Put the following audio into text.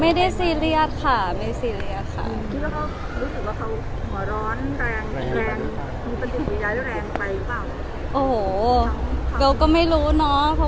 ไม่ได้ซีเรียสค่ะไม่ได้ซีเรียสค่ะรู้สึกว่าเขาหัวร้อนแรงแรงแรงแรงไปหรือเปล่า